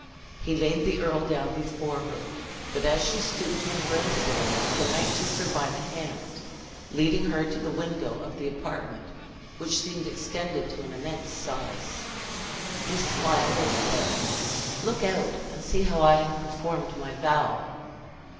He laid the earl down before her; but as she stooped to embrace him, the knight took her by the hand, leading her to the window of the apartment (which seemed extended to an immense size), he smiled, and said, "Look out and see how I have performed my vow!"